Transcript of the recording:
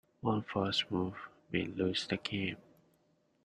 One false move may lose the game.